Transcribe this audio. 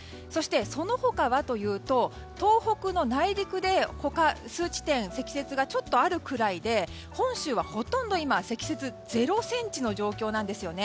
その他はというと東北の内陸や他、数地点積雪がちょっとあるぐらいで本州はほとんど今積雪０ｃｍの状況なんですね。